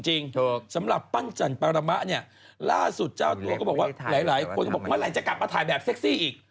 ปรรมะเนี่ยล่าสุดเจ้าตัวก็บอกว่าหลายคนบอกว่าเมื่อไหร่จะกลับมาถ่ายแบบเซ็กซี่อีก